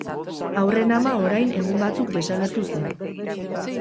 Haurren ama orain egun batzuk desagertu zen.